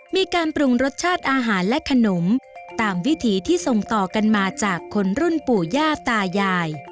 มีการปรุงรสชาติอาหารและขนมตามวิถีที่ส่งต่อกันมาจากคนรุ่นปู่ย่าตายาย